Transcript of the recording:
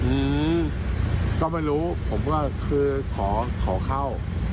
อืมก็ไม่รู้ผมก็คือขอขอเข้า